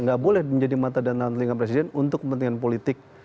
nggak boleh menjadi mata dan tangan telinga presiden untuk kepentingan politik